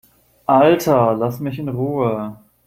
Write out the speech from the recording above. Alter, lass mich in Ruhe!